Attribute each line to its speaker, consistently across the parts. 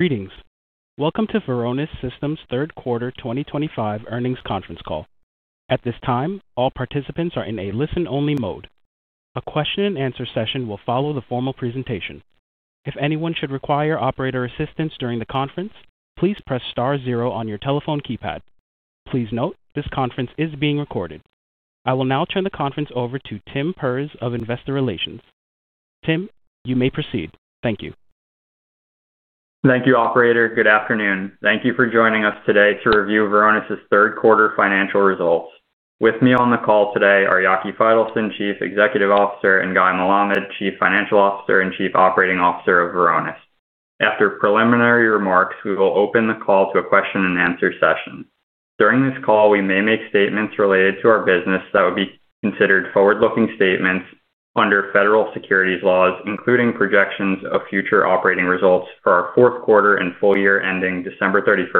Speaker 1: Greetings. Welcome to Varonis Systems' third quarter 2025 earnings conference call. At this time, all participants are in a listen-only mode. A question and answer session will follow the formal presentation. If anyone should require operator assistance during the conference, please press star zero on your telephone keypad. Please note, this conference is being recorded. I will now turn the conference over to Tim Perz of Investor Relations. Tim, you may proceed. Thank you.
Speaker 2: Thank you, Operator. Good afternoon. Thank you for joining us today to review Varonis Systems' third quarter financial results. With me on the call today are Yaki Faitelson, Chief Executive Officer, and Guy Melamed, Chief Financial Officer and Chief Operating Officer of Varonis Systems. After preliminary remarks, we will open the call to a question and answer session. During this call, we may make statements related to our business that would be considered forward-looking statements under federal securities laws, including projections of future operating results for our fourth quarter and full year ending December 31,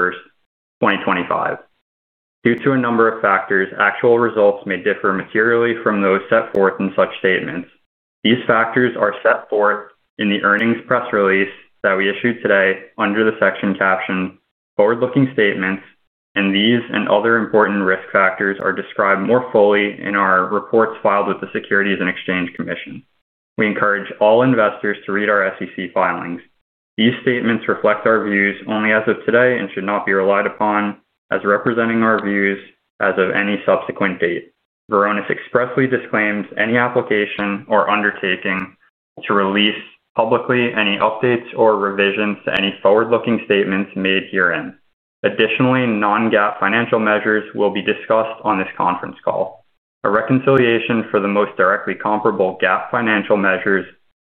Speaker 2: 2025. Due to a number of factors, actual results may differ materially from those set forth in such statements. These factors are set forth in the earnings press release that we issued today under the section captioned "Forward-Looking Statements," and these and other important risk factors are described more fully in our reports filed with the Securities and Exchange Commission. We encourage all investors to read our SEC filings. These statements reflect our views only as of today and should not be relied upon as representing our views as of any subsequent date. Varonis Systems expressly disclaims any application or undertaking to release publicly any updates or revisions to any forward-looking statements made herein. Additionally, non-GAAP financial measures will be discussed on this conference call. A reconciliation for the most directly comparable GAAP financial measures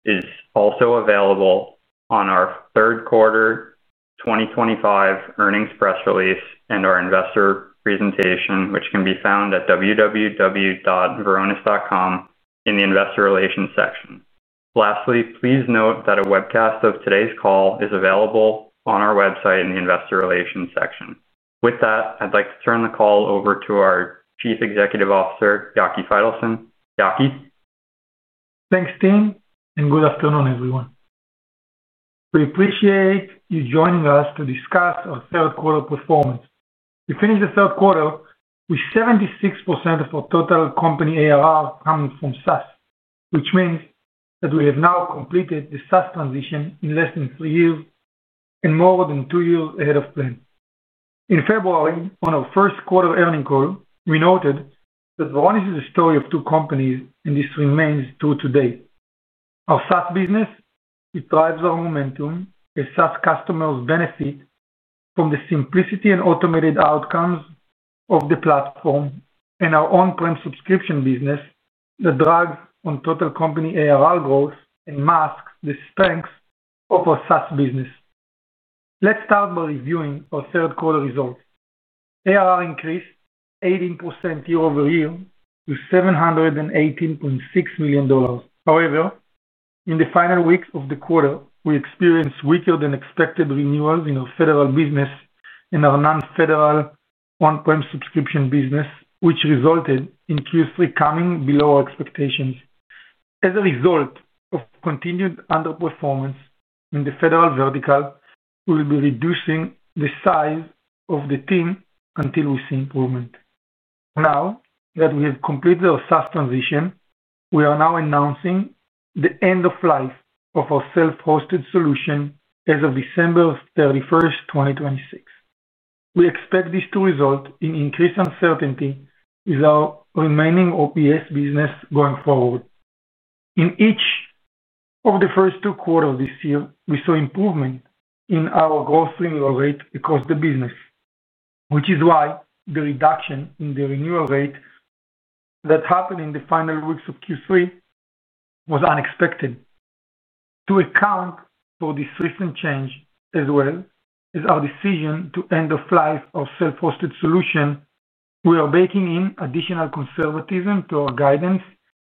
Speaker 2: is also available on our third quarter 2025 earnings press release and our investor presentation, which can be found at www.varonis.com in the Investor Relations section. Lastly, please note that a webcast of today's call is available on our website in the Investor Relations section. With that, I'd like to turn the call over to our Chief Executive Officer, Yaki Faitelson. Yaki?
Speaker 3: Thanks, Tim, and good afternoon, everyone. We appreciate you joining us to discuss our third quarter performance. We finished the third quarter with 76% of our total company ARR coming from SaaS, which means that we have now completed the SaaS transition in less than three years and more than two years ahead of plan. In February, on our first quarter earnings call, we noted that Varonis Systems is a story of two companies, and this remains true today. Our SaaS business, which drives our momentum, as SaaS customers benefit from the simplicity and automated outcomes of the platform, and our on-premises subscription business that drags on total company ARR growth and masks the strengths of our SaaS business. Let's start by reviewing our third quarter results. ARR increased 18% year-over-year to $718.6 million. However, in the final weeks of the quarter, we experienced weaker than expected renewals in our federal business and our non-federal on-premises subscription business, which resulted in Q3 coming below our expectations. As a result of continued underperformance in the federal vertical, we will be reducing the size of the team until we see improvement. Now that we have completed our SaaS transition, we are now announcing the end-of-life of our self-hosted solution as of December 31, 2026. We expect this to result in increased uncertainty with our remaining OPS business going forward. In each of the first two quarters of this year, we saw improvement in our gross renewal rate across the business, which is why the reduction in the renewal rate that happened in the final weeks of Q3 was unexpected. To account for this recent change, as well as our decision to end-of-life our self-hosted solution, we are baking in additional conservatism to our guidance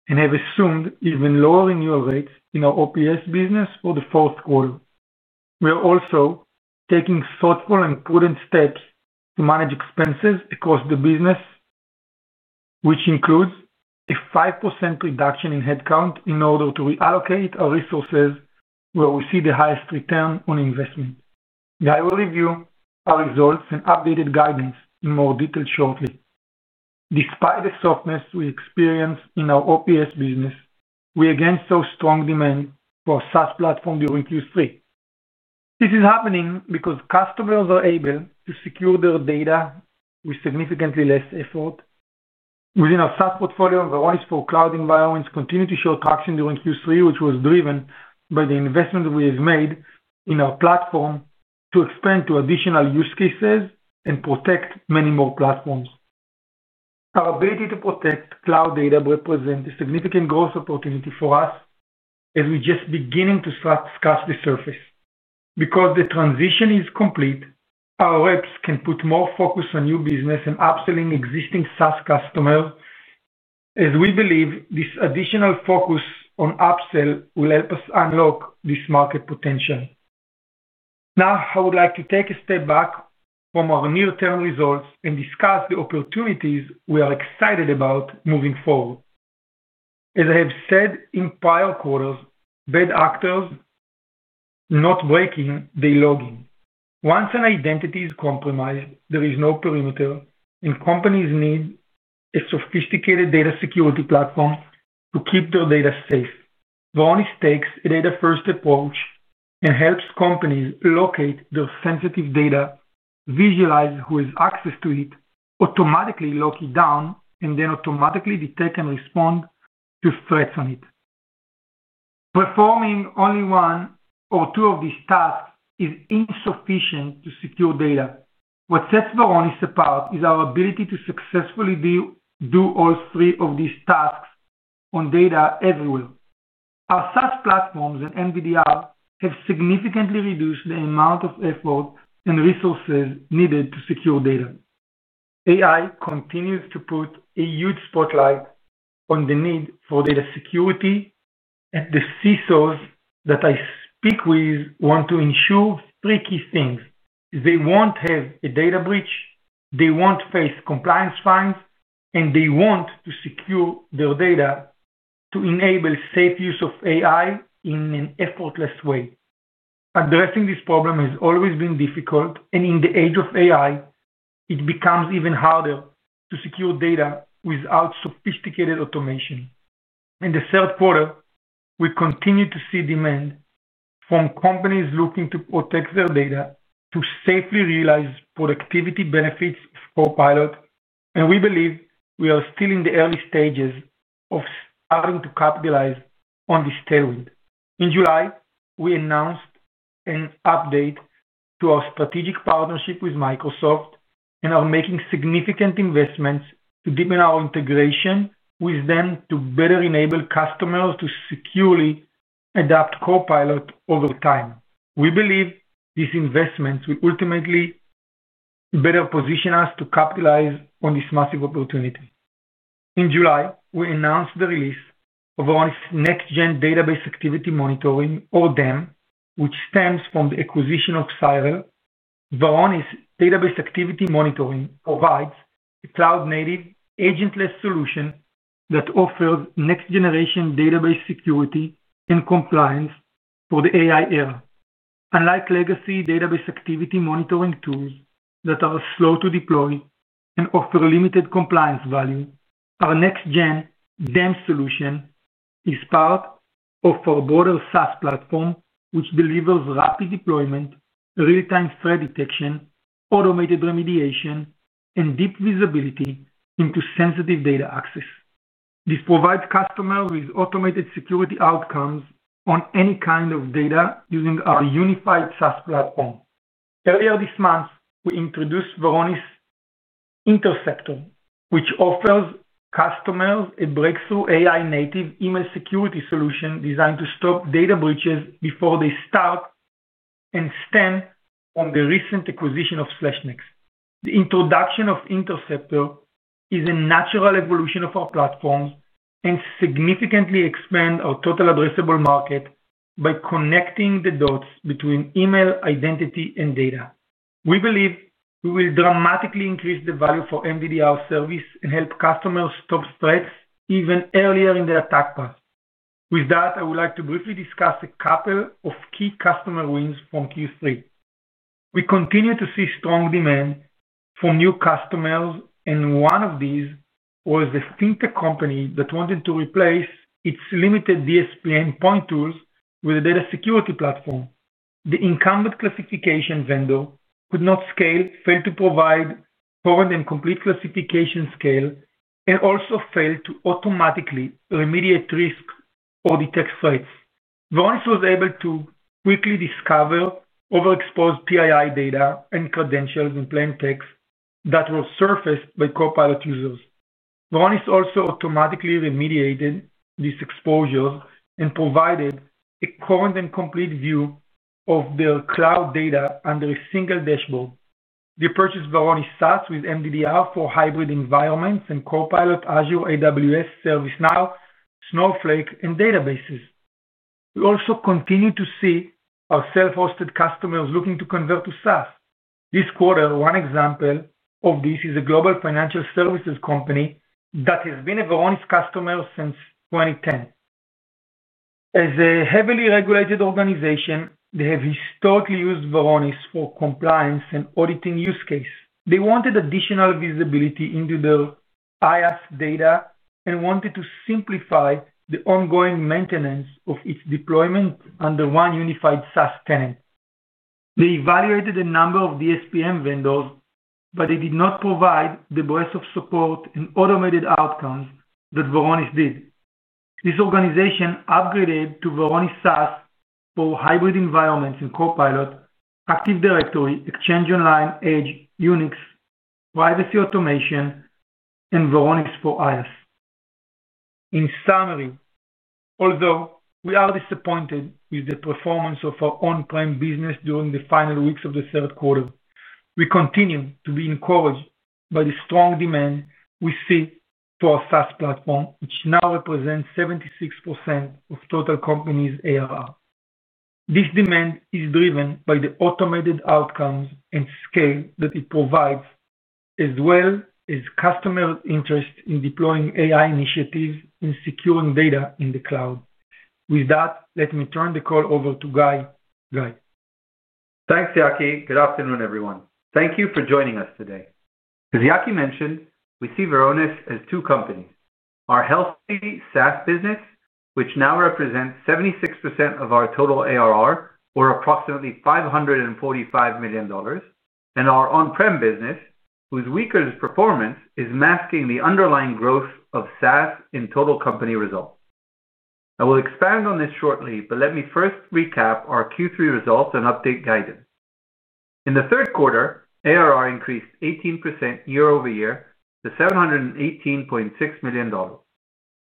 Speaker 3: and have assumed even lower renewal rates in our OPS business for the fourth quarter. We are also taking thoughtful and prudent steps to manage expenses across the business, which includes a 5% reduction in headcount in order to reallocate our resources where we see the highest return on investment. Guy will review our results and updated guidance in more detail shortly. Despite the softness we experienced in our OPS business, we again saw strong demand for our SaaS platform during Q3. This is happening because customers are able to secure their data with significantly less effort. Within our SaaS portfolio, Varonis for cloud environments continued to show traction during Q3, which was driven by the investment we have made in our platform to expand to additional use cases and protect many more platforms. Our ability to protect cloud data represents a significant growth opportunity for us as we are just beginning to scratch the surface. Because the transition is complete, our reps can put more focus on new business and upselling existing SaaS customers, as we believe this additional focus on upsell will help us unlock this market potential. Now, I would like to take a step back from our near-term results and discuss the opportunities we are excited about moving forward. As I have said in prior quarters, bad actors are not breaking day logging. Once an identity is compromised, there is no perimeter, and companies need a sophisticated data security platform to keep their data safe. Varonis takes a data-first approach and helps companies locate their sensitive data, visualize who has access to it, automatically lock it down, and then automatically detect and respond to threats on it. Performing only one or two of these tasks is insufficient to secure data. What sets Varonis apart is our ability to successfully do all three of these tasks on data everywhere. Our SaaS platforms and MVDR have significantly reduced the amount of effort and resources needed to secure data. AI continues to put a huge spotlight on the need for data security, and the CISOs that I speak with want to ensure three key things: they won't have a data breach, they won't face compliance fines, and they want to secure their data to enable safe use of AI in an effortless way. Addressing this problem has always been difficult, and in the age of AI, it becomes even harder to secure data without sophisticated automation. In the third quarter, we continue to see demand from companies looking to protect their data to safely realize productivity benefits of Copilot, and we believe we are still in the early stages of starting to capitalize on this tailwind. In July, we announced an update to our strategic partnership with Microsoft and are making significant investments to deepen our integration with them to better enable customers to securely adapt Copilot over time. We believe these investments will ultimately better position us to capitalize on this massive opportunity. In July, we announced the release of Varonis' next-gen database activity monitoring, or DEM, which stems from the acquisition of Cyral. Varonis' database activity monitoring provides a cloud-native agentless solution that offers next-generation database security and compliance for the AI era. Unlike legacy database activity monitoring tools that are slow to deploy and offer limited compliance value, our next-gen DEM solution is part of our broader SaaS platform, which delivers rapid deployment, real-time threat detection, automated remediation, and deep visibility into sensitive data access. This provides customers with automated security outcomes on any kind of data using our unified SaaS platform. Earlier this month, we introduced Varonis Interceptor, which offers customers a breakthrough AI-native email security solution designed to stop data breaches before they start, and stemmed from the recent acquisition of SlashNext. The introduction of Interceptor is a natural evolution of our platforms and significantly expands our total addressable market by connecting the dots between email identity and data. We believe we will dramatically increase the value for MVDR service and help customers stop threats even earlier in their attack path. With that, I would like to briefly discuss a couple of key customer wins from Q3. We continue to see strong demand from new customers, and one of these was the fintech company that wanted to replace its limited DSP endpoint tools with a data security platform. The incumbent classification vendor could not scale, failed to provide current and complete classification scale, and also failed to automatically remediate risks or detect threats. Varonis was able to quickly discover overexposed PII data and credentials in plain text that were surfaced by Copilot users. Varonis also automatically remediated these exposures and provided a current and complete view of their cloud data under a single dashboard. The purchase of Varonis SaaS with MVDR for hybrid environments and Copilot Azure, AWS, ServiceNow, Snowflake, and databases. We also continue to see our self-hosted customers looking to convert to SaaS. This quarter, one example of this is a global financial services company that has been a Varonis customer since 2010. As a heavily regulated organization, they have historically used Varonis for compliance and auditing use cases. They wanted additional visibility into their IaaS data and wanted to simplify the ongoing maintenance of its deployment under one unified SaaS tenant. They evaluated a number of DSPM vendors, but they did not provide the breadth of support and automated outcomes that Varonis did. This organization upgraded to Varonis SaaS for hybrid environments in Copilot, Active Directory, Exchange Online, Edge, Unix, Privacy Automation, and Varonis for IaaS. In summary, although we are disappointed with the performance of our on-prem business during the final weeks of the third quarter, we continue to be encouraged by the strong demand we see for our SaaS platform, which now represents 76% of total company's ARR. This demand is driven by the automated outcomes and scale that it provides, as well as customer interest in deploying AI initiatives and securing data in the cloud. With that, let me turn the call over to Guy.
Speaker 2: Guy?
Speaker 4: Thanks, Yaki. Good afternoon, everyone. Thank you for joining us today. As Yaki mentioned, we see Varonis as two companies: our healthy SaaS business, which now represents 76% of our total ARR, or approximately $545 million, and our on-prem business, whose weaker performance is masking the underlying growth of SaaS in total company results. I will expand on this shortly, but let me first recap our Q3 results and update guidance. In the third quarter, ARR increased 18% year-over-year to $718.6 million.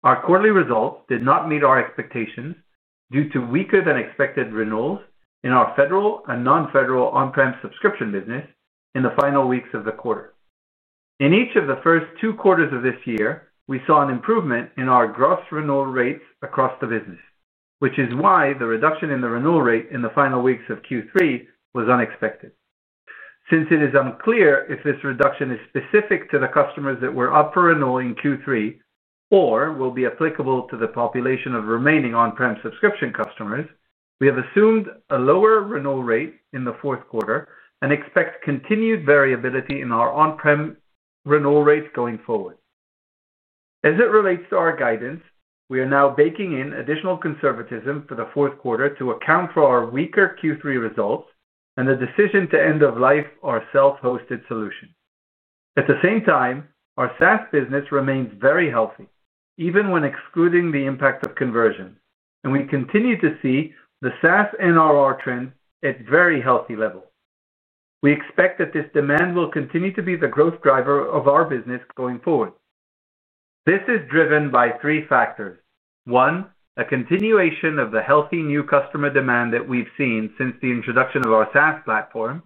Speaker 4: Our quarterly results did not meet our expectations due to weaker than expected renewals in our federal and non-federal on-prem subscription business in the final weeks of the quarter. In each of the first two quarters of this year, we saw an improvement in our gross renewal rates across the business, which is why the reduction in the renewal rate in the final weeks of Q3 was unexpected. Since it is unclear if this reduction is specific to the customers that were up for renewal in Q3 or will be applicable to the population of remaining on-prem subscription customers, we have assumed a lower renewal rate in the fourth quarter and expect continued variability in our on-prem renewal rates going forward. As it relates to our guidance, we are now baking in additional conservatism for the fourth quarter to account for our weaker Q3 results and the decision to end-of-life our self-hosted solution. At the same time, our SaaS business remains very healthy, even when excluding the impact of conversion, and we continue to see the SaaS NRR trend at a very healthy level. We expect that this demand will continue to be the growth driver of our business going forward. This is driven by three factors: one, a continuation of the healthy new customer demand that we've seen since the introduction of our SaaS platform;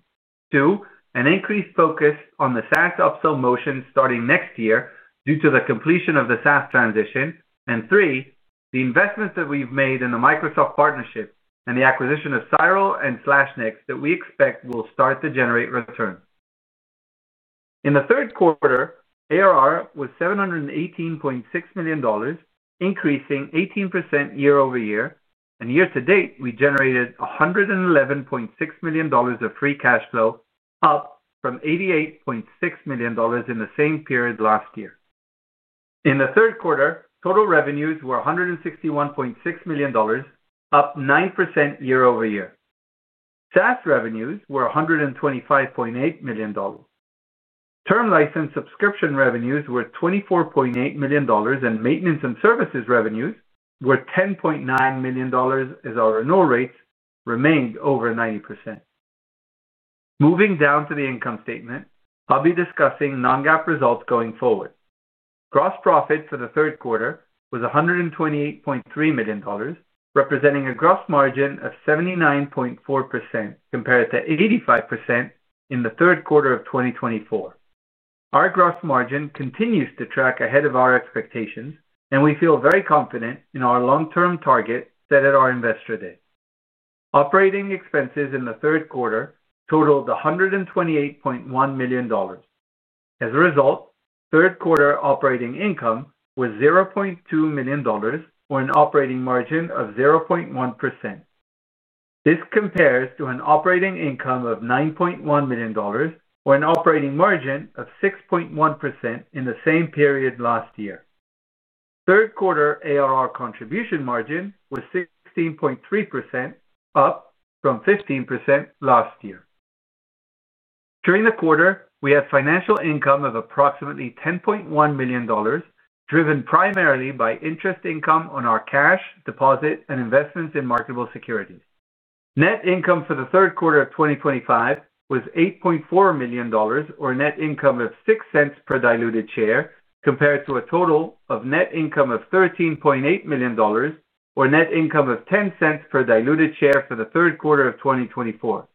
Speaker 4: two, an increased focus on the SaaS upsell motion starting next year due to the completion of the SaaS transition; and three, the investments that we've made in the Microsoft partnership and the acquisition of Cyral and SlashNext that we expect will start to generate returns. In the third quarter, ARR was $718.6 million, increasing 18% year-over-year, and year-to-date, we generated $111.6 million of free cash flow, up from $88.6 million in the same period last year. In the third quarter, total revenues were $161.6 million, up 9% year-over-year. SaaS revenues were $125.8 million. Term license subscription revenues were $24.8 million, and maintenance and services revenues were $10.9 million, as our renewal rates remained over 90%. Moving down to the income statement, I'll be discussing non-GAAP results going forward. Gross profit for the third quarter was $128.3 million, representing a gross margin of 79.4% compared to 85% in the third quarter of 2024. Our gross margin continues to track ahead of our expectations, and we feel very confident in our long-term target set at our Investor Day. Operating expenses in the third quarter totaled $128.1 million. As a result, third quarter operating income was $0.2 million, or an operating margin of 0.1%. This compares to an operating income of $9.1 million, or an operating margin of 6.1% in the same period last year. Third quarter ARR contribution margin was 16.3%, up from 15% last year. During the quarter, we had financial income of approximately $10.1 million, driven primarily by interest income on our cash, deposit, and investments in marketable securities. Net income for the third quarter of 2025 was $8.4 million, or a net income of $0.06 per diluted share, compared to a total of net income of $13.8 million, or a net income of $0.10 per diluted share for the third quarter of 2024.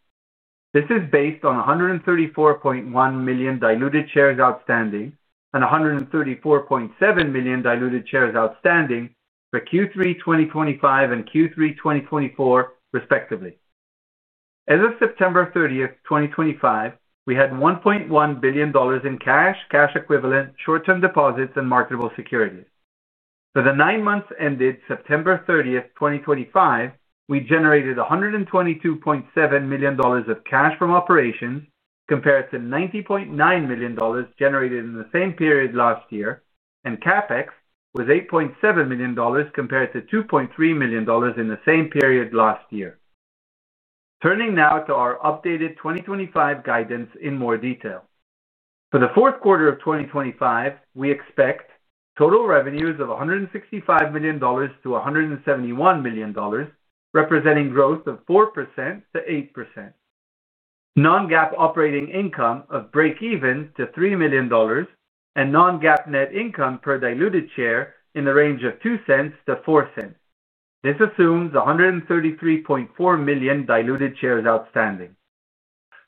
Speaker 4: This is based on 134.1 million diluted shares outstanding and 134.7 million diluted shares outstanding for Q3 2025 and Q3 2024, respectively. As of September 30, 2025, we had $1.1 billion in cash, cash equivalents, short-term deposits, and marketable securities. For the nine months ended September 30, 2025, we generated $122.7 million of cash from operations, compared to $90.9 million generated in the same period last year, and CapEx was $8.7 million, compared to $2.3 million in the same period last year. Turning now to our updated 2025 guidance in more detail. For the fourth quarter of 2025, we expect total revenues of $165 million-$171 million, representing growth of 4%-8%. Non-GAAP operating income of break-even to $3 million and non-GAAP net income per diluted share in the range of $0.02-$0.04. This assumes 133.4 million diluted shares outstanding.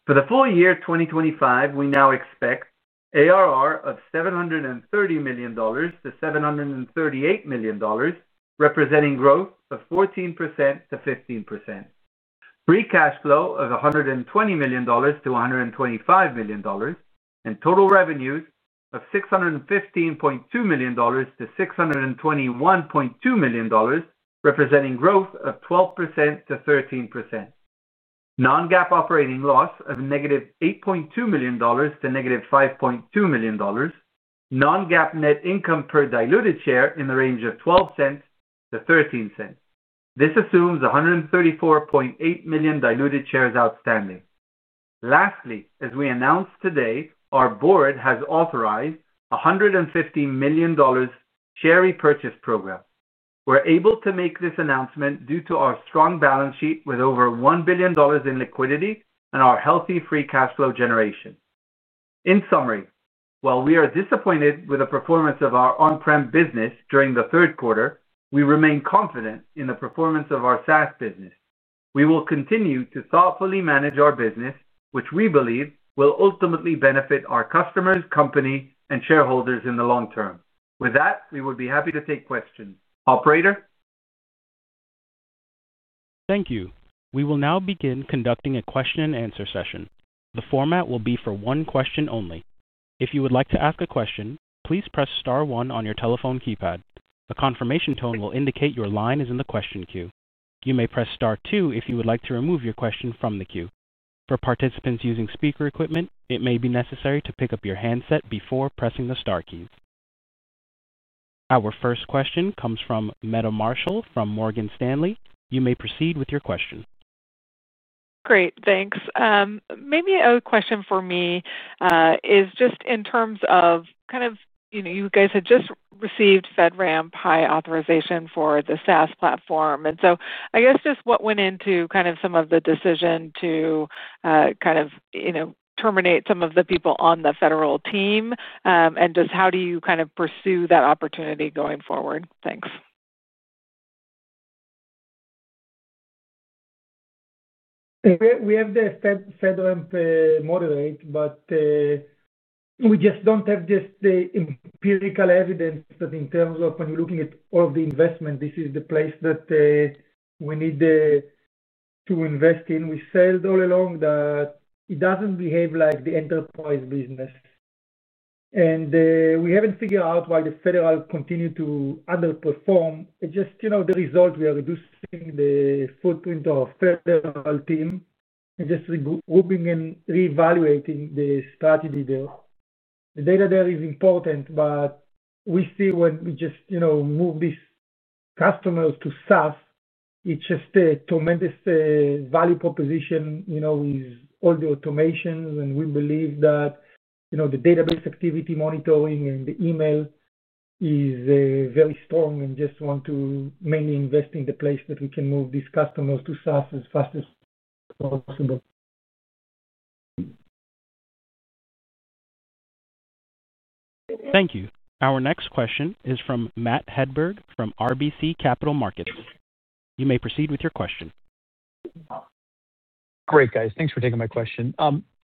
Speaker 4: For the full year 2025, we now expect ARR of $730 million-$738 million, representing growth of 14%-15%. Free cash flow of $120 million-$125 million, and total revenues of $615.2 million-$621.2 million, representing growth of 12%-13%. Non-GAAP operating loss of -$8.2 million to -$5.2 million, non-GAAP net income per diluted share in the range of $0.12-$0.13. This assumes 134.8 million diluted shares outstanding. Lastly, as we announced today, our board has authorized a $115 million share repurchase program. We're able to make this announcement due to our strong balance sheet with over $1 billion in liquidity and our healthy free cash flow generation. In summary, while we are disappointed with the performance of our on-prem business during the third quarter, we remain confident in the performance of our SaaS business. We will continue to thoughtfully manage our business, which we believe will ultimately benefit our customers, company, and shareholders in the long term. With that, we would be happy to take questions. Operator?
Speaker 1: Thank you. We will now begin conducting a question-and-answer session. The format will be for one question only. If you would like to ask a question, please press star one on your telephone keypad. A confirmation tone will indicate your line is in the question queue. You may press star two if you would like to remove your question from the queue. For participants using speaker equipment, it may be necessary to pick up your handset before pressing the star keys. Our first question comes from Meta Marshall from Morgan Stanley. You may proceed with your question.
Speaker 5: Great, thanks. Maybe a question for me is just in terms of, you guys had just received FedRAMP High authorization for the SaaS platform. I guess just what went into some of the decision to terminate some of the people on the federal team, and just how do you pursue that opportunity going forward? Thanks.
Speaker 3: We have the FedRAMP moderate, but we just don't have the empirical evidence that in terms of when you're looking at all of the investment, this is the place that we need to invest in. We said all along that it doesn't behave like the enterprise business. We haven't figured out why the federal continue to underperform. It's just the result we are reducing the footprint of our federal team and regrouping and reevaluating the strategy there. The data there is important, but we see when we move these customers to SaaS, it's just a tremendous value proposition with all the automations. We believe that the database activity monitoring and the email is very strong and just want to mainly invest in the place that we can move these customers to SaaS as fast as possible.
Speaker 1: Thank you. Our next question is from Matt Hedberg from RBC Capital Markets. You may proceed with your question.
Speaker 6: Great, guys. Thanks for taking my question.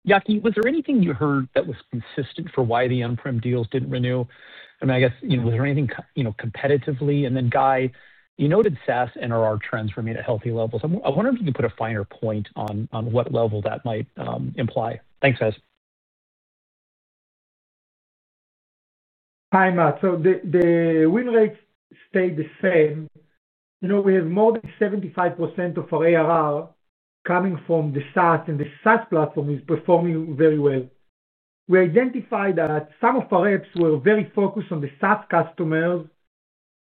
Speaker 6: Yaki, was there anything you heard that was consistent for why the on-prem deals didn't renew? I mean, I guess, was there anything competitively? Guy, you noted SaaS NRR trends remained at healthy levels. I wonder if you could put a finer point on what level that might imply. Thanks, guys.
Speaker 3: Hi, Matt. The win rates stayed the same. We have more than 75% of our ARR coming from SaaS, and the SaaS platform is performing very well. We identified that some of our reps were very focused on the SaaS customers,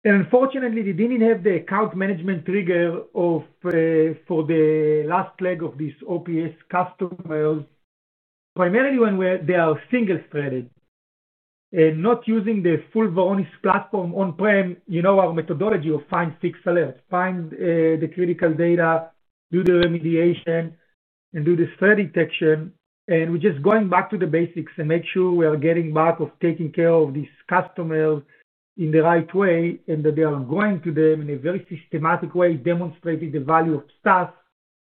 Speaker 3: and unfortunately, they didn't have the account management trigger for the last leg of these OPS customers, primarily when they are single-threaded and not using the full Varonis platform on-prem. Our methodology is find, fix, alert, find the critical data, do the remediation, and do the threat detection. We're just going back to the basics and making sure we are taking care of these customers in the right way and that they are going to them in a very systematic way, demonstrating the value of SaaS,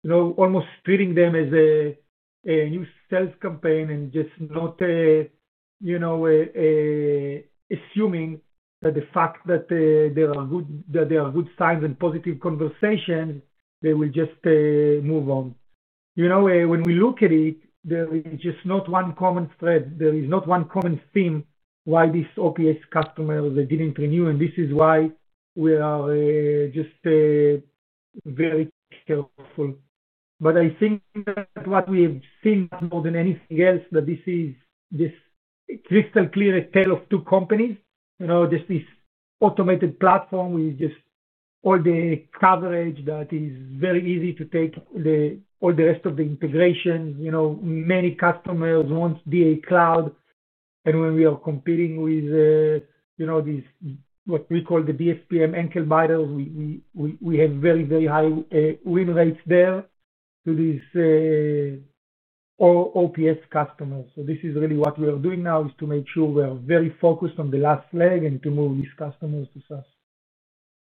Speaker 3: almost treating them as a new sales campaign and not just assuming that the fact that there are good signs and positive conversations, they will just move on. When we look at it, there is just not one common thread. There is not one common theme why these OPS customers didn't renew, and this is why we are just very careful. I think that what we have seen more than anything else is that this is just a crystal clear tale of two companies. This automated platform with all the coverage is very easy to take all the rest of the integrations. Many customers want DA Cloud, and when we are competing with these, what we call the DSPM ankle biters, we have very, very high win rates there to these OPS customers. What we are doing now is to make sure we are very focused on the last leg and to move these customers to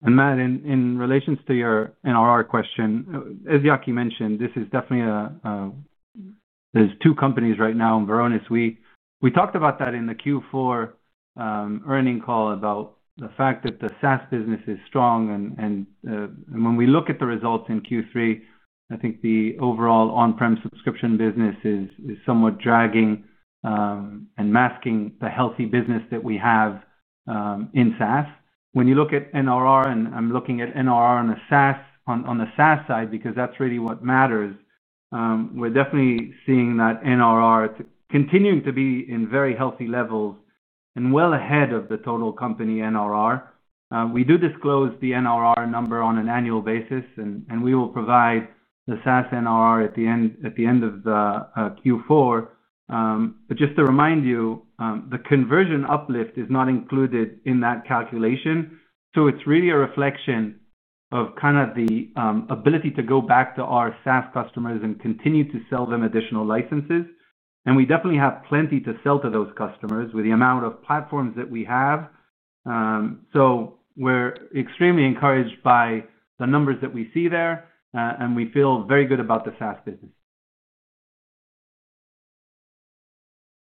Speaker 3: SaaS.
Speaker 4: Matt, in relation to your NRR question, as Yaki mentioned, there are two companies right now in Varonis Systems. We talked about that in the Q4 earnings call about the fact that the SaaS business is strong. When we look at the results in Q3, the overall on-premises subscription business is somewhat dragging and masking the healthy business that we have in SaaS. When you look at NRR, and I'm looking at NRR on the SaaS side because that's really what matters, we're definitely seeing that NRR continuing to be at very healthy levels and well ahead of the total company NRR. We do disclose the NRR number on an annual basis, and we will provide the SaaS NRR at the end of Q4. Just to remind you, the conversion uplift is not included in that calculation. It's really a reflection of the ability to go back to our SaaS customers and continue to sell them additional licenses. We definitely have plenty to sell to those customers with the amount of platforms that we have. We're extremely encouraged by the numbers that we see there, and we feel very good about the SaaS business.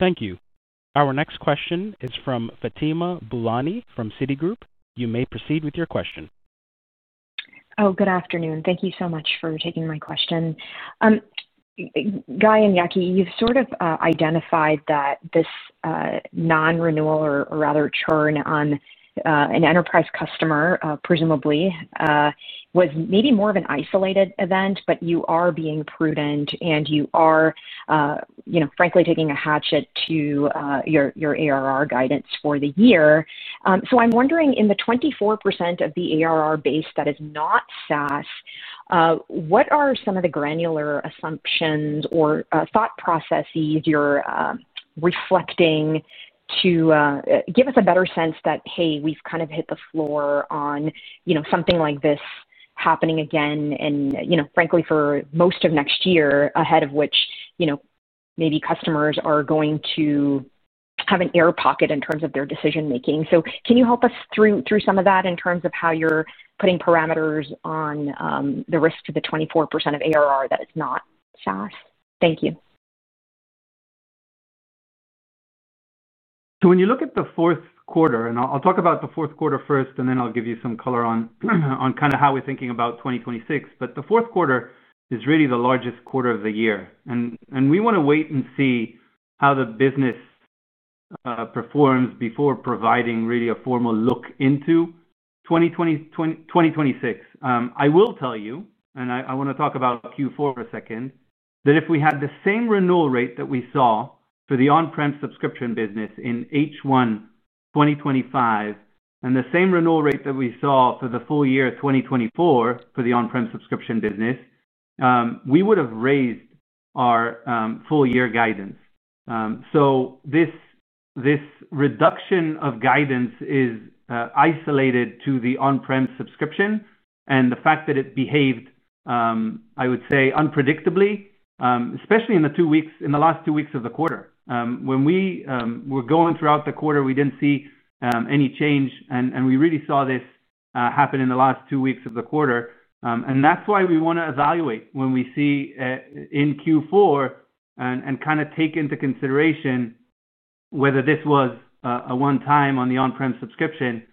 Speaker 1: Thank you. Our next question is from Fatima Boolani from Citigroup. You may proceed with your question.
Speaker 7: Oh, good afternoon. Thank you so much for taking my question. Guy and Yaki, you've sort of identified that this non-renewal or rather churn on an enterprise customer, presumably, was maybe more of an isolated event, but you are being prudent and you are, you know, frankly taking a hatchet to your ARR guidance for the year. I'm wondering, in the 24% of the ARR base that is not SaaS, what are some of the granular assumptions or thought processes you're reflecting to give us a better sense that, hey, we've kind of hit the floor on, you know, something like this happening again and, you know, frankly, for most of next year, ahead of which, you know, maybe customers are going to have an air pocket in terms of their decision-making. Can you help us through some of that in terms of how you're putting parameters on the risk to the 24% of ARR that is not SaaS? Thank you.
Speaker 4: When you look at the fourth quarter, I'll talk about the fourth quarter first, and then I'll give you some color on kind of how we're thinking about 2026. The fourth quarter is really the largest quarter of the year. We want to wait and see how the business performs before providing really a formal look into 2026. I will tell you, and I want to talk about Q4 a second, that if we had the same renewal rate that we saw for the on-premises subscription business in H1 2025 and the same renewal rate that we saw for the full year 2024 for the on-premises subscription business, we would have raised our full-year guidance. This reduction of guidance is isolated to the on-premises subscription and the fact that it behaved, I would say, unpredictably, especially in the last two weeks of the quarter. When we were going throughout the quarter, we didn't see any change, and we really saw this happen in the last two weeks of the quarter. That's why we want to evaluate what we see in Q4 and kind of take into consideration whether this was a one-time on the on-premises subscription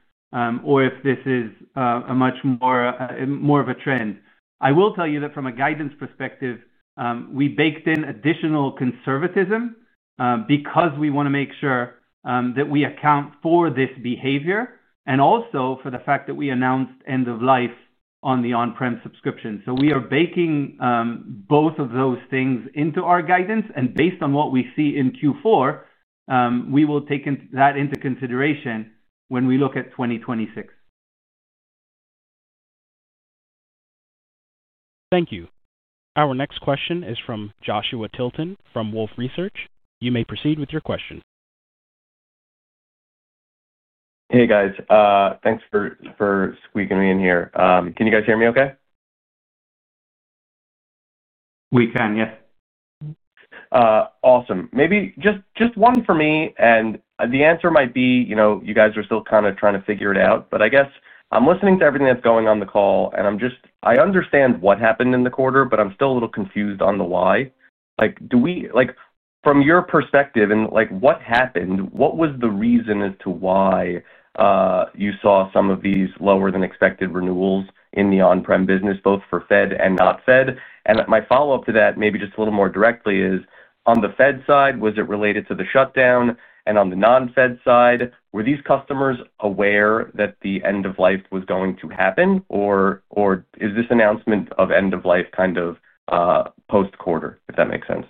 Speaker 4: or if this is much more of a trend. I will tell you that from a guidance perspective, we baked in additional conservatism because we want to make sure that we account for this behavior and also for the fact that we announced end-of-life on the on-premises subscription. We are baking both of those things into our guidance, and based on what we see in Q4, we will take that into consideration when we look at 2026.
Speaker 1: Thank you. Our next question is from Joshua Tilton from Wolfe Research. You may proceed with your question.
Speaker 8: Hey, guys. Thanks for squeezing me in here. Can you guys hear me okay?
Speaker 3: We can, yes.
Speaker 8: Awesome. Maybe just one for me, and the answer might be, you know, you guys are still kind of trying to figure it out. I guess I'm listening to everything that's going on the call, and I understand what happened in the quarter, but I'm still a little confused on the why. Like, do we, from your perspective and what happened, what was the reason as to why you saw some of these lower than expected renewals in the on-premises business, both for Fed and not Fed? My follow-up to that, maybe just a little more directly, is on the Fed side, was it related to the shutdown? On the non-Fed side, were these customers aware that the end-of-life was going to happen, or is this announcement of end-of-life kind of post-quarter, if that makes sense?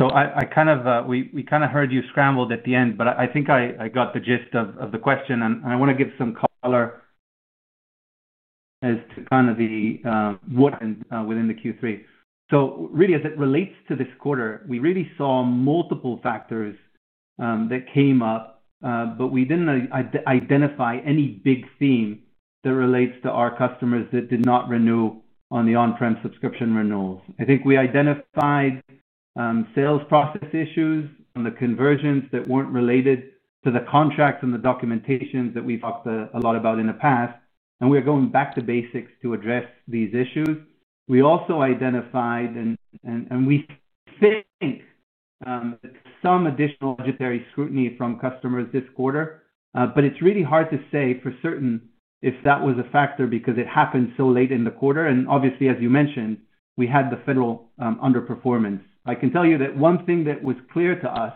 Speaker 4: We kind of heard you scrambled at the end, but I think I got the gist of the question. I want to give some color as to what happened within Q3. Really, as it relates to this quarter, we saw multiple factors that came up, but we didn't identify any big theme that relates to our customers that did not renew on the on-prem subscription renewals. I think we identified sales process issues and the conversions that weren't related to the contracts and the documentation that we've talked a lot about in the past. We are going back to basics to address these issues. We also identified, and we think, some additional budgetary scrutiny from customers this quarter. It's really hard to say for certain if that was a factor because it happened so late in the quarter. Obviously, as you mentioned, we had the federal underperformance. I can tell you that one thing that was clear to us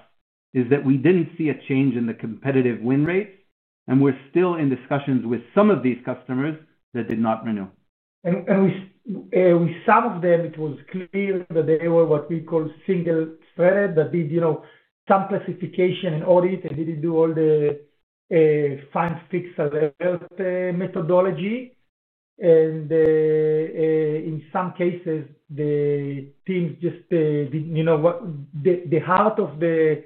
Speaker 4: is that we didn't see a change in the competitive win rates, and we're still in discussions with some of these customers that did not renew.
Speaker 3: With some of them, it was clear that they were what we call single-threaded, that did, you know, some classification and audit and didn't do all the find, fix, alert methodology. In some cases, the teams just didn't, you know, what the heart of the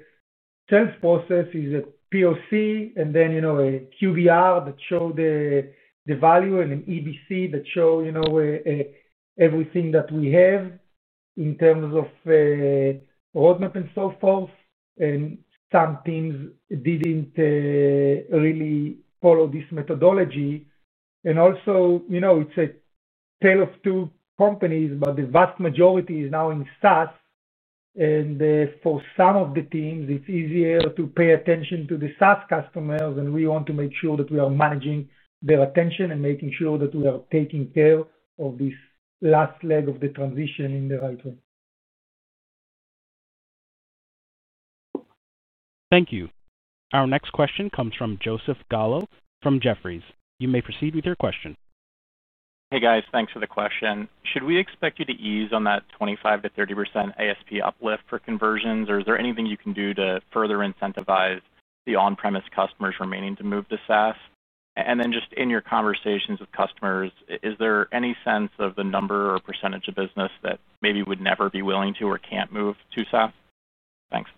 Speaker 3: sales process is a POC and then, you know, a QBR that showed the value and an EBC that show, you know, everything that we have in terms of roadmap and so forth. Some teams didn't really follow this methodology. Also, you know, it's a tale of two companies, but the vast majority is now in SaaS. For some of the teams, it's easier to pay attention to the SaaS customers, and we want to make sure that we are managing their attention and making sure that we are taking care of this last leg of the transition in the right way.
Speaker 1: Thank you. Our next question comes from Joseph Gallo from Jefferies. You may proceed with your question.
Speaker 9: Hey, guys. Thanks for the question. Should we expect you to ease on that 25%-30% ASP uplift for conversions, or is there anything you can do to further incentivize the on-premises customers remaining to move to SaaS? In your conversations with customers, is there any sense of the number or percentage of business that maybe would never be willing to or can't move to SaaS? Thanks.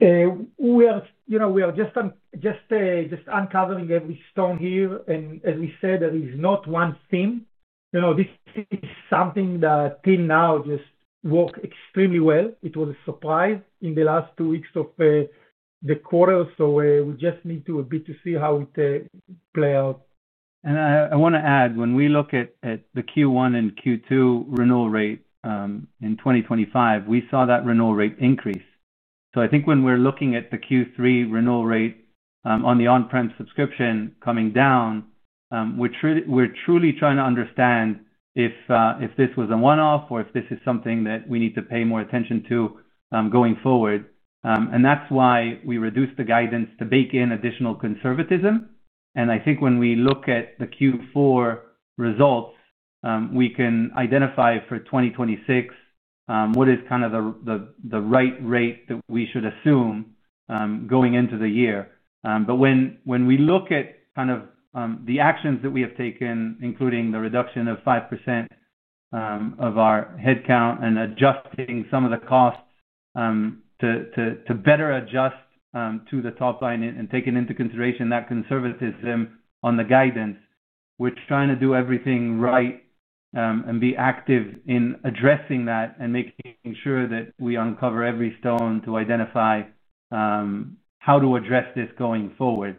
Speaker 3: We are just uncovering every stone here. As we said, there is not one theme. This is something that till now just worked extremely well. It was a surprise in the last two weeks of the quarter. We just need to see how it plays out.
Speaker 4: When we look at the Q1 and Q2 renewal rate in 2025, we saw that renewal rate increase. I think when we're looking at the Q3 renewal rate on the on-premises subscription coming down, we're truly trying to understand if this was a one-off or if this is something that we need to pay more attention to going forward. That is why we reduced the guidance to bake in additional conservatism. I think when we look at the Q4 results, we can identify for 2026 what is kind of the right rate that we should assume going into the year. When we look at the actions that we have taken, including the reduction of 5% of our headcount and adjusting some of the costs to better adjust to the top line and taking into consideration that conservatism on the guidance, we're trying to do everything right and be active in addressing that and making sure that we uncover every stone to identify how to address this going forward.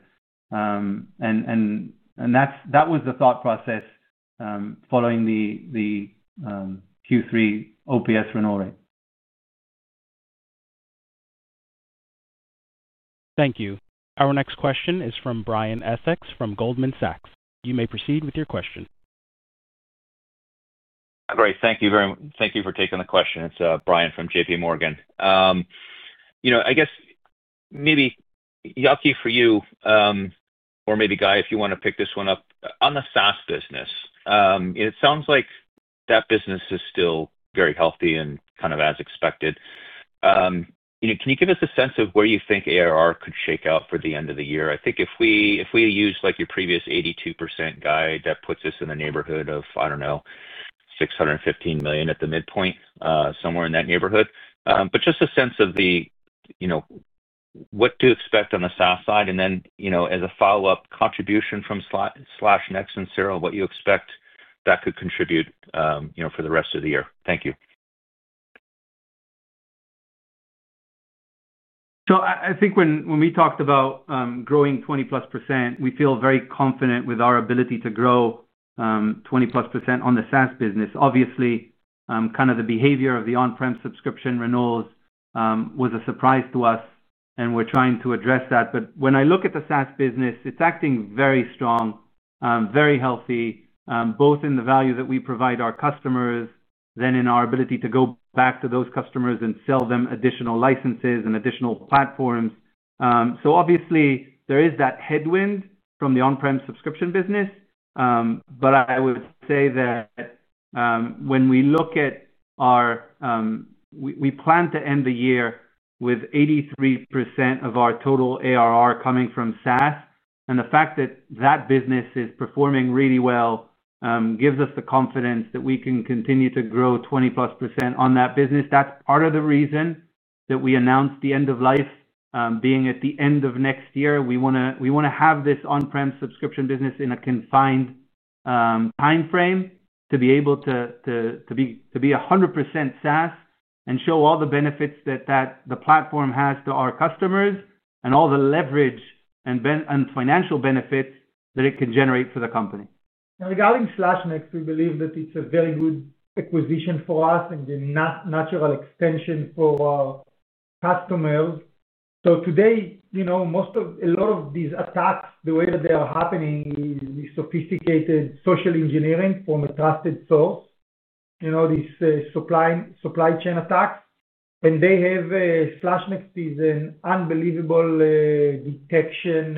Speaker 4: That was the thought process following the Q3 OPS renewal rate.
Speaker 1: Thank you. Our next question is from Brian Essex from Goldman Sachs. You may proceed with your question.
Speaker 10: Great. Thank you very much. Thank you for taking the question. It's Brian from JPMorgan. I guess maybe Yaki, for you, or maybe Guy, if you want to pick this one up, on the SaaS business, it sounds like that business is still very healthy and kind of as expected. Can you give us a sense of where you think ARR could shake out for the end of the year? I think if we use like your previous 82% guide, that puts us in the neighborhood of, I don't know, $615 million at the midpoint, somewhere in that neighborhood. Just a sense of the, you know, what to expect on the SaaS side. As a follow-up contribution from SlashNext and Cyral, what you expect that could contribute, you know, for the rest of the year. Thank you.
Speaker 4: I think when we talked about growing 20%+, we feel very confident with our ability to grow 20%+ on the SaaS business. Obviously, the behavior of the on-prem subscription renewals was a surprise to us, and we're trying to address that. When I look at the SaaS business, it's acting very strong, very healthy, both in the value that we provide our customers and in our ability to go back to those customers and sell them additional licenses and additional platforms. There is that headwind from the on-prem subscription business. I would say that we plan to end the year with 83% of our total ARR coming from SaaS. The fact that that business is performing really well gives us the confidence that we can continue to grow 20%+ on that business. That's part of the reason that we announced the end-of-life being at the end of next year. We want to have this on-prem subscription business in a confined timeframe to be able to be 100% SaaS and show all the benefits that the platform has to our customers and all the leverage and financial benefits that it can generate for the company.
Speaker 3: Now, regarding SlashNext, we believe that it's a very good acquisition for us and a natural extension for our customers. Today, a lot of these attacks, the way that they are happening, is sophisticated social engineering from a trusted source, these supply chain attacks. SlashNext is an unbelievable detection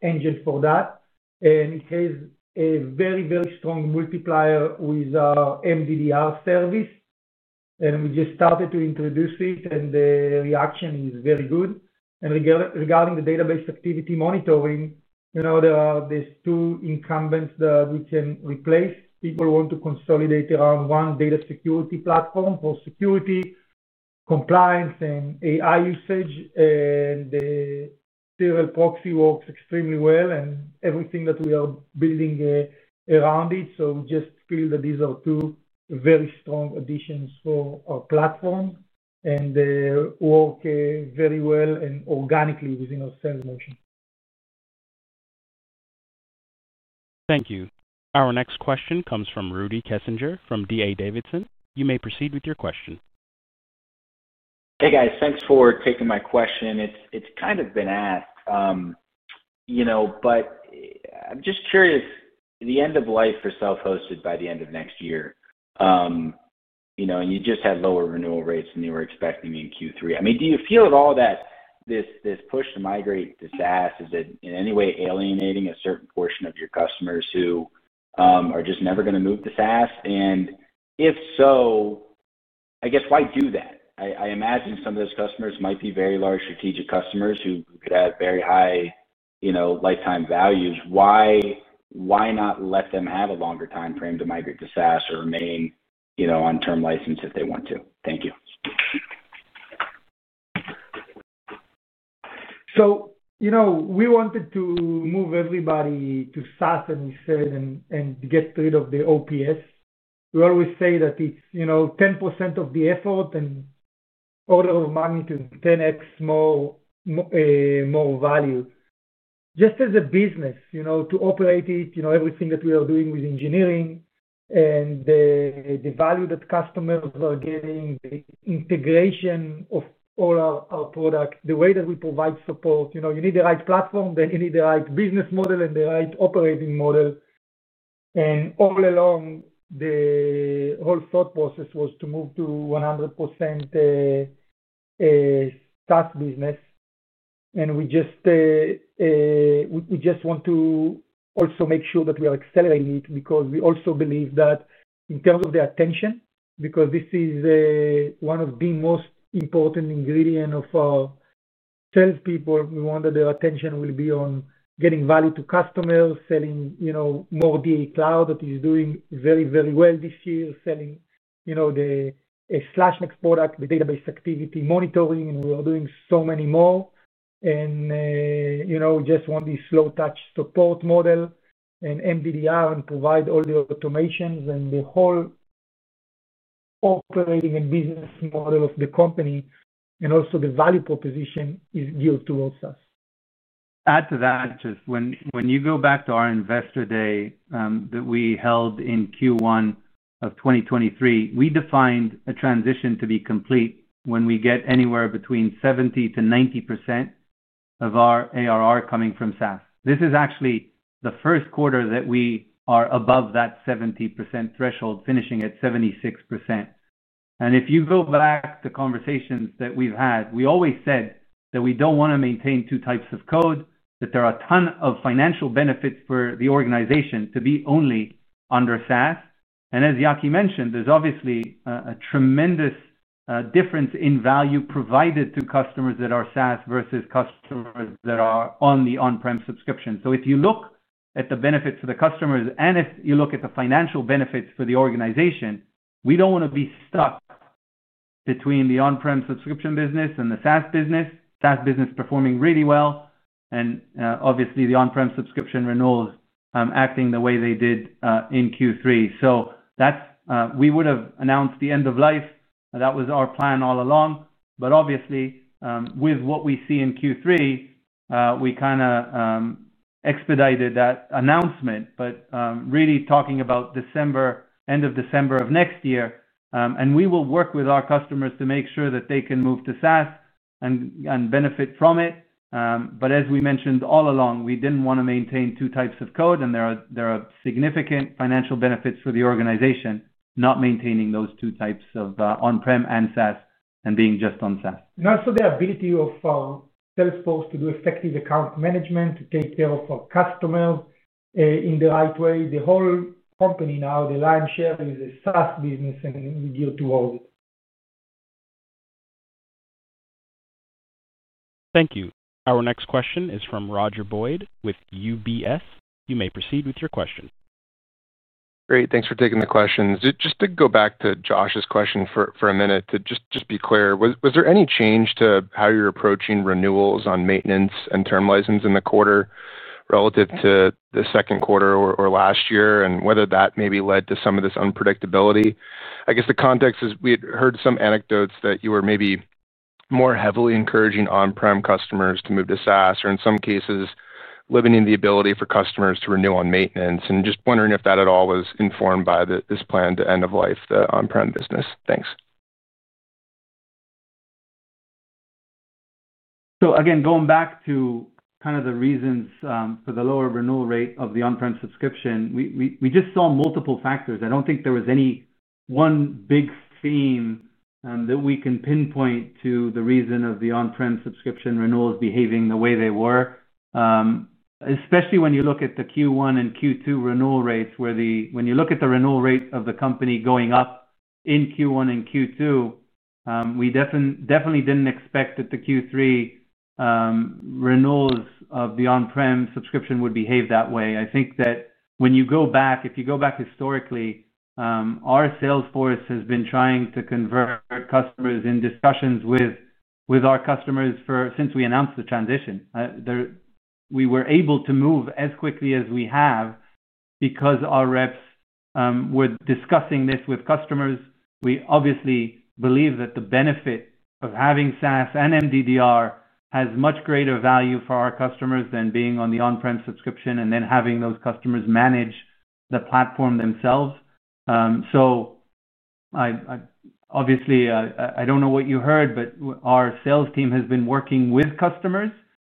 Speaker 3: engine for that, and it has a very, very strong multiplier with our MDDR service. We just started to introduce it, and the reaction is very good. Regarding the database activity monitoring, there are these two incumbents that we can replace. People want to consolidate around one Data Security Platform for security, compliance, and AI usage. The serial proxy works extremely well and everything that we are building around it. We feel that these are two very strong additions for our platform and work very well and organically within our sales motion.
Speaker 1: Thank you. Our next question comes from Rudy Kessinger from D.A. Davidson. You may proceed with your question.
Speaker 11: Hey, guys. Thanks for taking my question. It's kind of been asked, you know, but I'm just curious, the end-of-life for self-hosted by the end of next year, you know, and you just had lower renewal rates than you were expecting in Q3. Do you feel at all that this push to migrate to SaaS, is it in any way alienating a certain portion of your customers who are just never going to move to SaaS? If so, I guess why do that? I imagine some of those customers might be very large strategic customers who could have very high, you know, lifetime values. Why not let them have a longer timeframe to migrate to SaaS or remain, you know, on term license if they want to? Thank you.
Speaker 3: We wanted to move everybody to SaaS, and we said, and get rid of the OPS. We always say that it's 10% of the effort and order of magnitude 10x more value. Just as a business, to operate it, everything that we are doing with engineering and the value that customers are getting, the integration of all our products, the way that we provide support, you need the right platform, then you need the right business model and the right operating model. All along, the whole thought process was to move to 100% SaaS business. We just want to also make sure that we are accelerating it because we also believe that in terms of the attention, because this is one of the most important ingredients of our salespeople, we want that their attention will be on getting value to customers, selling more DA Cloud that is doing very, very well this year, selling the SlashNext product, the database activity monitoring, and we are doing so many more. We just want this slow-touch support model and MDDR and provide all the automations and the whole operating and business model of the company. Also, the value proposition is geared towards us.
Speaker 4: Add to that, just when you go back to our investor day that we held in Q1 of 2023, we defined a transition to be complete when we get anywhere between 70%-90% of our ARR coming from SaaS. This is actually the first quarter that we are above that 70% threshold, finishing at 76%. If you go back to conversations that we've had, we always said that we don't want to maintain two types of code, that there are a ton of financial benefits for the organization to be only under SaaS. As Yaki mentioned, there's obviously a tremendous difference in value provided to customers that are SaaS versus customers that are on the on-prem subscription. If you look at the benefits for the customers and if you look at the financial benefits for the organization, we don't want to be stuck between the on-prem subscription business and the SaaS business. SaaS business performing really well and obviously the on-prem subscription renewals acting the way they did in Q3. That's why we would have announced the end-of-life. That was our plan all along. Obviously, with what we see in Q3, we kind of expedited that announcement. Really talking about end of December of next year, and we will work with our customers to make sure that they can move to SaaS and benefit from it. As we mentioned all along, we didn't want to maintain two types of code, and there are significant financial benefits for the organization not maintaining those two types of on-prem and SaaS and being just on SaaS.
Speaker 3: The ability of salesforce to do effective account management, to take care of our customers in the right way, is important. The whole company now, the lion's share is a SaaS business, and we're geared towards it.
Speaker 1: Thank you. Our next question is from Roger Boyd with UBS. You may proceed with your question.
Speaker 12: Great. Thanks for taking the questions. Just to go back to Josh's question for a minute, to just be clear, was there any change to how you're approaching renewals on maintenance and term license in the quarter relative to the second quarter or last year, and whether that maybe led to some of this unpredictability? I guess the context is we had heard some anecdotes that you were maybe more heavily encouraging on-prem customers to move to SaaS or in some cases limiting the ability for customers to renew on maintenance. Just wondering if that at all was informed by this plan to end-of-life the on-prem business. Thanks.
Speaker 4: Again, going back to the reasons for the lower renewal rate of the on-premises subscription, we just saw multiple factors. I don't think there was any one big theme that we can pinpoint to the reason of the on-premises subscription renewals behaving the way they were, especially when you look at the Q1 and Q2 renewal rates. When you look at the renewal rate of the company going up in Q1 and Q2, we definitely didn't expect that the Q3 renewals of the on-premises subscription would behave that way. When you go back historically, our sales force has been trying to convert customers in discussions with our customers since we announced the transition. We were able to move as quickly as we have because our reps were discussing this with customers. We obviously believe that the benefit of having SaaS and MDDR has much greater value for our customers than being on the on-premises subscription and then having those customers manage the platform themselves. I don't know what you heard, but our sales team has been working with customers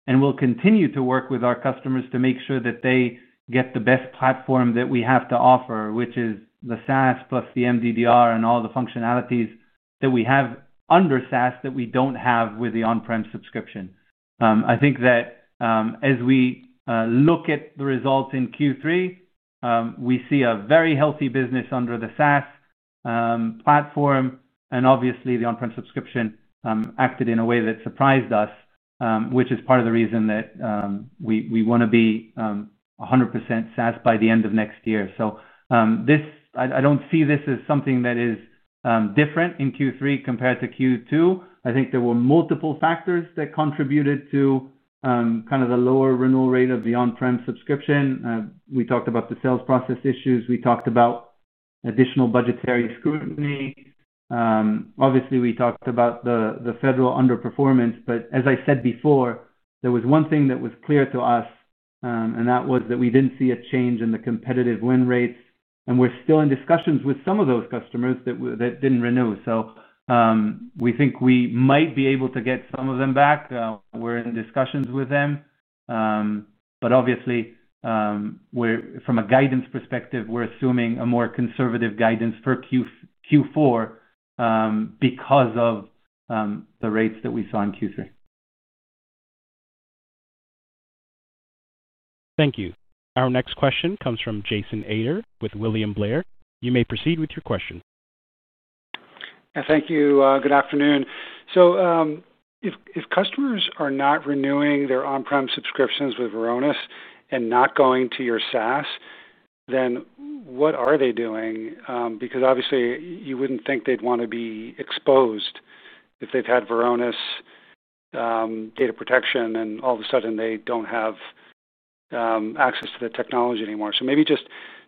Speaker 4: and will continue to work with our customers to make sure that they get the best platform that we have to offer, which is the SaaS plus the MDDR and all the functionalities that we have under SaaS that we don't have with the on-premises subscription. As we look at the results in Q3, we see a very healthy business under the SaaS platform. Obviously, the on-premises subscription acted in a way that surprised us, which is part of the reason that we want to be 100% SaaS by the end of next year. I don't see this as something that is different in Q3 compared to Q2. There were multiple factors that contributed to the lower renewal rate of the on-premises subscription. We talked about the sales process issues. We talked about additional budgetary scrutiny. We talked about the federal underperformance. As I said before, there was one thing that was clear to us, and that was that we didn't see a change in the competitive win rates. We're still in discussions with some of those customers that didn't renew. We think we might be able to get some of them back. We're in discussions with them. From a guidance perspective, we're assuming a more conservative guidance for Q4 because of the rates that we saw in Q3.
Speaker 1: Thank you. Our next question comes from Jason Ader with William Blair. You may proceed with your question.
Speaker 13: Yeah, thank you. Good afternoon. If customers are not renewing their on-premises subscriptions with Varonis and not going to your SaaS, then what are they doing? Obviously, you wouldn't think they'd want to be exposed if they've had Varonis data protection and all of a sudden they don't have access to the technology anymore. Maybe just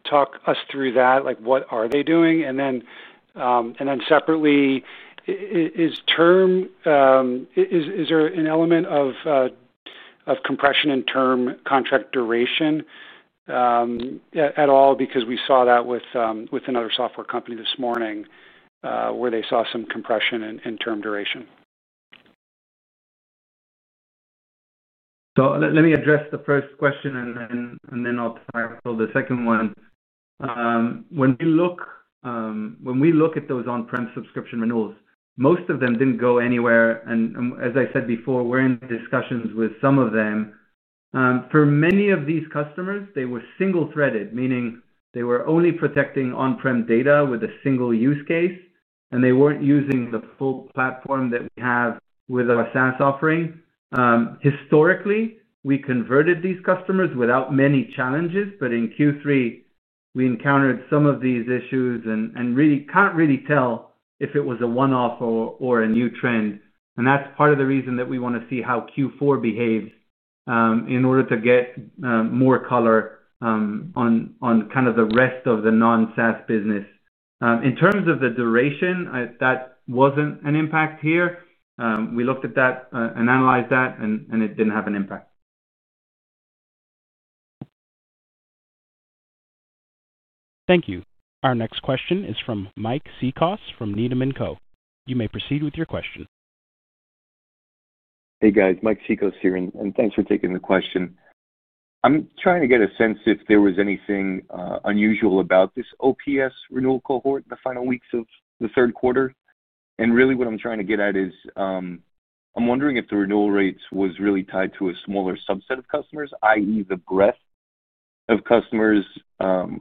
Speaker 13: talk us through that. What are they doing? Separately, is there an element of compression in term contract duration at all? We saw that with another software company this morning where they saw some compression in term duration.
Speaker 4: Let me address the first question and then I'll tackle the second one. When we look at those on-prem subscription renewals, most of them didn't go anywhere. As I said before, we're in discussions with some of them. For many of these customers, they were single-threaded, meaning they were only protecting on-prem data with a single use case, and they weren't using the full platform that we have with our SaaS offering. Historically, we converted these customers without many challenges. In Q3, we encountered some of these issues and really can't tell if it was a one-off or a new trend. That's part of the reason that we want to see how Q4 behaves in order to get more color on the rest of the non-SaaS business. In terms of the duration, that wasn't an impact here. We looked at that and analyzed that, and it didn't have an impact.
Speaker 1: Thank you. Our next question is from Mike Cikos from Needham & Co. You may proceed with your question.
Speaker 14: Hey, guys. Mike Cikos here, and thanks for taking the question. I'm trying to get a sense if there was anything unusual about this OPS renewal cohort in the final weeks of the third quarter. What I'm trying to get at is I'm wondering if the renewal rates were really tied to a smaller subset of customers, i.e., the breadth of customers really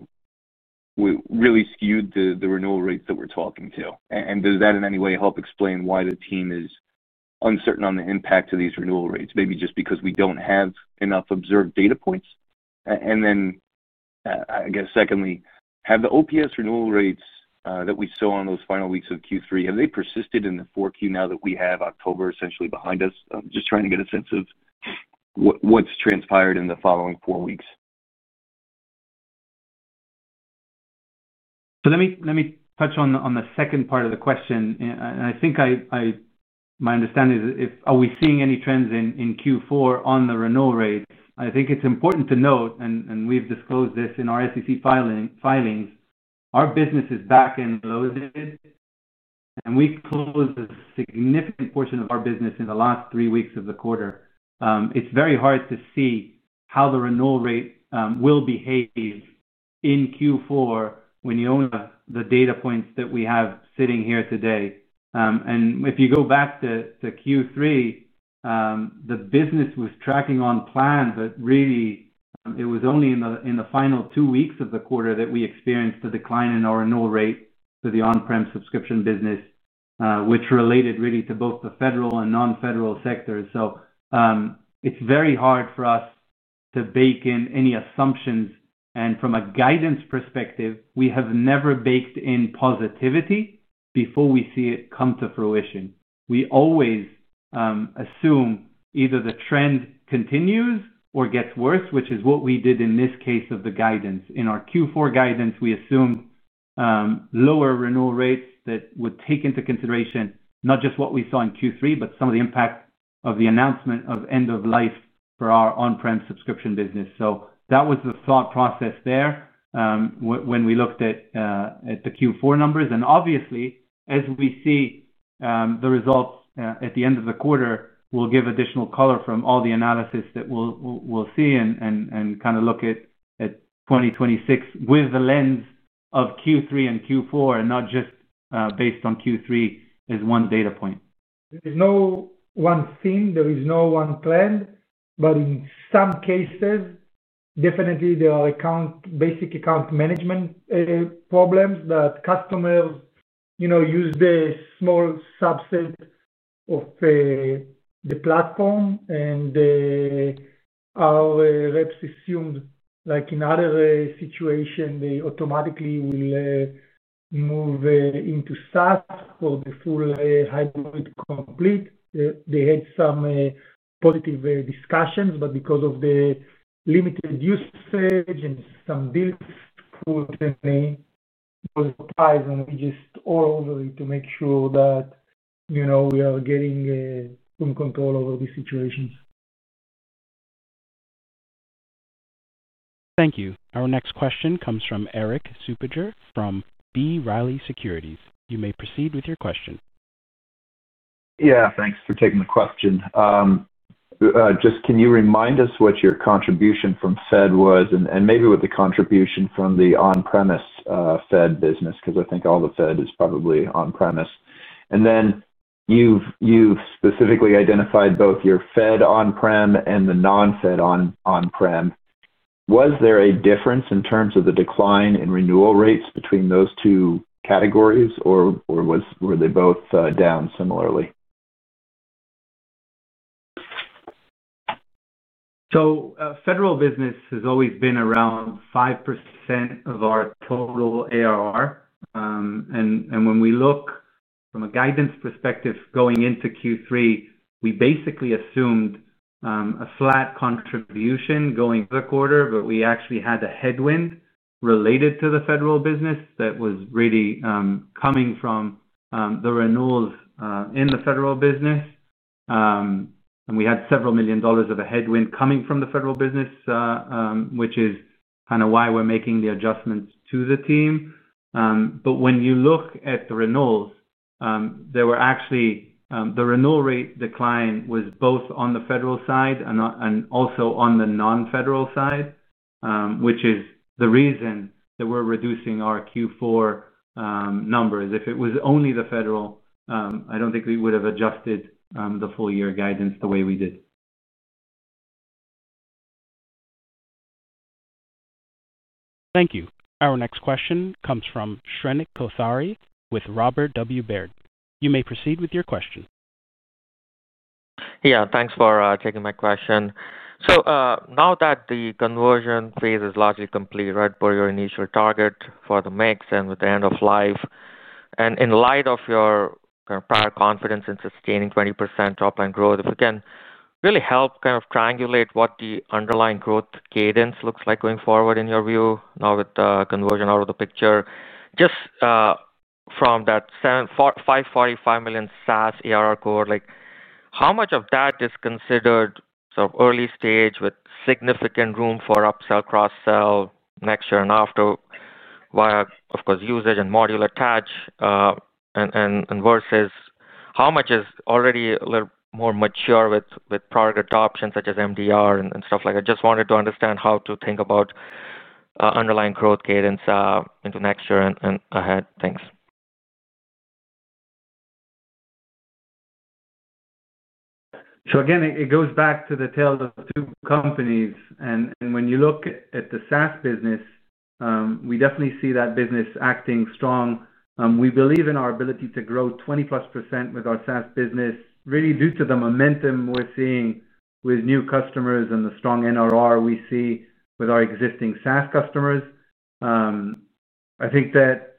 Speaker 14: skewed the renewal rates that we're talking to. Does that in any way help explain why the team is uncertain on the impact of these renewal rates? Maybe just because we don't have enough observed data points. Secondly, have the OPS renewal rates that we saw in those final weeks of Q3, have they persisted in the 4Q now that we have October essentially behind us? I'm just trying to get a sense of what's transpired in the following four weeks.
Speaker 4: Let me touch on the second part of the question. I think my understanding is, are we seeing any trends in Q4 on the renewal rate? I think it's important to note, and we've disclosed this in our SEC filings, our business is back and loaded. We closed a significant portion of our business in the last three weeks of the quarter. It's very hard to see how the renewal rate will behave in Q4 when you own the data points that we have sitting here today. If you go back to Q3, the business was tracking on plan, but really, it was only in the final two weeks of the quarter that we experienced the decline in our renewal rate for the on-premises subscription business, which related really to both the federal and non-federal sectors. It's very hard for us to bake in any assumptions. From a guidance perspective, we have never baked in positivity before we see it come to fruition. We always assume either the trend continues or gets worse, which is what we did in this case of the guidance. In our Q4 guidance, we assumed lower renewal rates that would take into consideration not just what we saw in Q3, but some of the impact of the announcement of end-of-life for our on-premises subscription business. That was the thought process there when we looked at the Q4 numbers. Obviously, as we see the results at the end of the quarter, we'll give additional color from all the analysis that we'll see and kind of look at 2026 with the lens of Q3 and Q4 and not just based on Q3 as one data point.
Speaker 3: There is no one theme. There is no one plan. In some cases, definitely, there are basic account management problems that customers use the small subset of the platform. Our reps assumed, like in other situations, they automatically will move into SaaS for the full hybrid complete. They had some positive discussions, and because of the limited usage and some deals, we are just all over it to make sure that we are getting full control over these situations.
Speaker 1: Thank you. Our next question comes from Eric Suppiger from B. Riley Securities. You may proceed with your question.
Speaker 15: Yeah, thanks for taking the question. Can you remind us what your contribution from Fed was and maybe what the contribution from the on-premises Fed business was? I think all the Fed is probably on-premises. You've specifically identified both your Fed on-prem and the non-Fed on-prem. Was there a difference in terms of the decline in renewal rates between those two categories, or were they both down similarly?
Speaker 4: Federal business has always been around 5% of our total ARR. When we look from a guidance perspective going into Q3, we basically assumed a flat contribution going into the quarter, but we actually had a headwind related to the federal business that was really coming from the renewals in the federal business. We had several million dollars of a headwind coming from the federal business, which is kind of why we're making the adjustments to the team. When you look at the renewals, the renewal rate decline was both on the federal side and also on the non-federal side, which is the reason that we're reducing our Q4 numbers. If it was only the federal, I don't think we would have adjusted the full-year guidance the way we did.
Speaker 1: Thank you. Our next question comes from Shrenik Kothari with Robert W. Baird. You may proceed with your question.
Speaker 16: Yeah, thanks for taking my question. Now that the conversion phase is largely complete for your initial target for the mix and with the end-of-life, and in light of your prior confidence in sustaining 20% top line growth, if you can really help triangulate what the underlying growth cadence looks like going forward in your view now with the conversion out of the picture, just from that $545 million SaaS ARR core, like how much of that is considered sort of early stage with significant room for upsell, cross-sell next year and after, of course, usage and modular attach? Versus how much is already a little more mature with product adoption such as MDR and stuff like that? I just wanted to understand how to think about underlying growth cadence into next year and ahead. Thanks.
Speaker 4: It goes back to the tale of two companies. When you look at the SaaS business, we definitely see that business acting strong. We believe in our ability to grow 20%+ with our SaaS business, really due to the momentum we're seeing with new customers and the strong NRR we see with our existing SaaS customers. I think that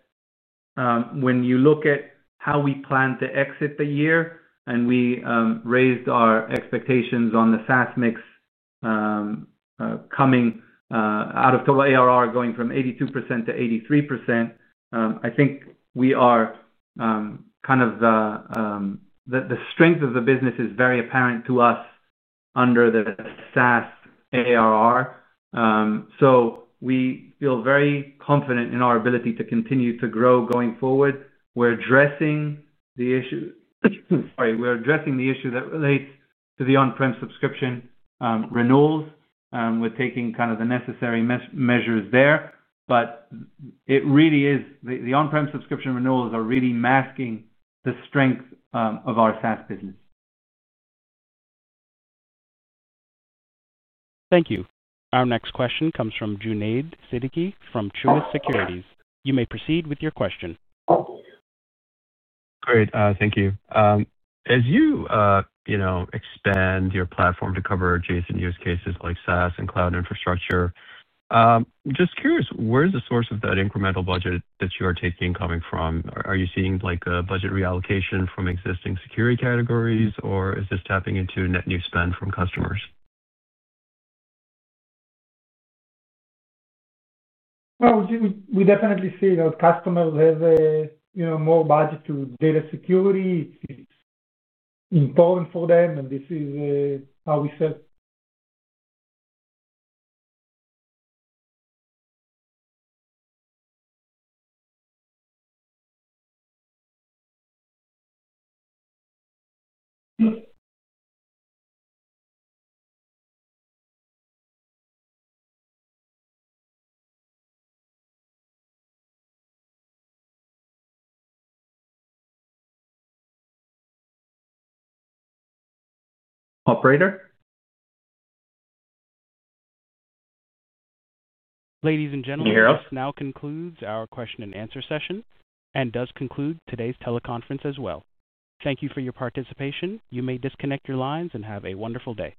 Speaker 4: when you look at how we plan to exit the year and we raised our expectations on the SaaS mix coming out of total ARR going from 82%-83%, the strength of the business is very apparent to us under the SaaS ARR. We feel very confident in our ability to continue to grow going forward. We're addressing the issue that relates to the on-prem subscription renewals. We're taking the necessary measures there. The on-prem subscription renewals are really masking the strength of our SaaS business.
Speaker 1: Thank you. Our next question comes from Junaid Siddiqui from Truist Securities. You may proceed with your question.
Speaker 17: Great. Thank you. As you expand your platform to cover adjacent use cases like SaaS and cloud infrastructure, I'm just curious, where is the source of that incremental budget that you are taking coming from? Are you seeing like a budget reallocation from existing security categories, or is this tapping into net new spend from customers?
Speaker 3: Customers definitely see that they have more budget to data security. It's important for them, and this is how we serve.
Speaker 1: Ladies and gentlemen, this now concludes our question-and-answer session and does conclude today's teleconference as well. Thank you for your participation. You may disconnect your lines and have a wonderful day.